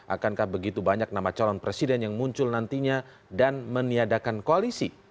akankah begitu banyak nama calon presiden yang muncul nantinya dan meniadakan koalisi